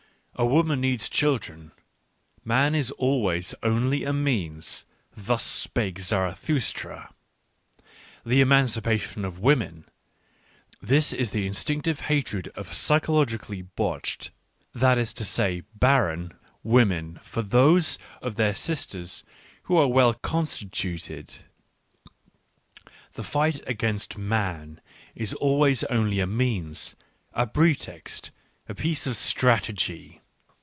A woman needs \ chiElren, man is always only a means, thus spake Zarathustra. " The emancipation of women," — this is the instinctive hatred of physiologically botched — that is to say, barren — women for those of their sisters who are well constituted : the fight against " man " is always only a means, a pretext, a piece of strategy.